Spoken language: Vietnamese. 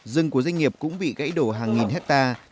rừng của doanh nghiệp cũng bị gãy đổ hàng nghìn hectare